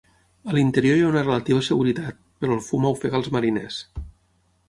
A l'interior hi ha una relativa seguretat, però el fum ofega als mariners.